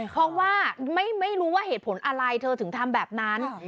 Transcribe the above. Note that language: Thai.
เพราะว่าไม่รู้ว่าเหตุผลอะไรเธอถึงทำแบบนั้น